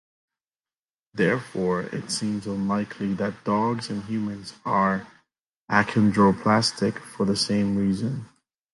Therefore, it seems unlikely that dogs and humans are achondroplastic for the same reasons.